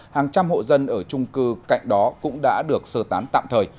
hàng trăm hộ dân ở trung cư cạnh đó cũng đã được sơ tán tạm thời